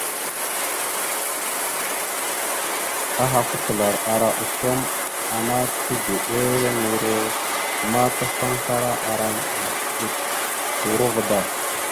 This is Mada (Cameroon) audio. Ahaf atəlar ara osom ana tigeɗoloŋoro ma ta sankara ara mehəciɗek turova da.